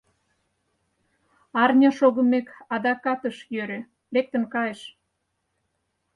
Арня шогымек, адакат ыш йӧрӧ, лектын кайыш.